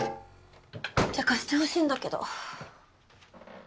ってかしてほしいんだけど。